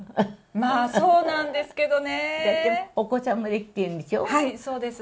まっ、そうなんですよね。